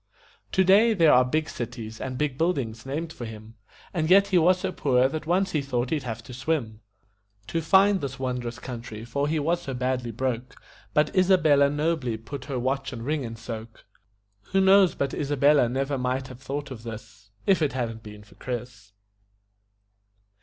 Today there are big cities and big buildings named for him, And yet he was so poor that once he thought he'd have to swim To find this wondrous country, for he was so badly broke; But Isabella nobly put her watch and ring in soak. Who knows but Isabella never might have thought of this If it hadn't been for Chris?